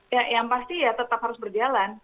ya yang pasti ya tetap harus berjalan